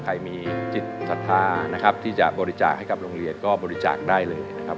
ใครมีจิตศรัทธานะครับที่จะบริจาคให้กับโรงเรียนก็บริจาคได้เลยนะครับ